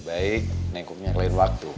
baik nih kum nyangkain waktu